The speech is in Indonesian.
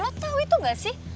lo tau itu gak sih